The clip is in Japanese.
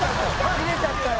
切れちゃったよ